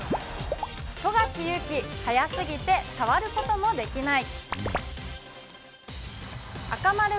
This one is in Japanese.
富樫勇樹、速すぎて触ることもできない。